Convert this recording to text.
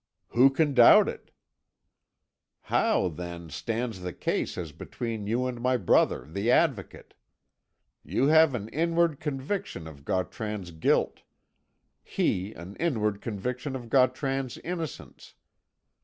"Who can doubt it?" "How, then, stands the case as between you and my brother the Advocate? You have an inward conviction of Gautran's guilt he an inward conviction of Gautran's innocence.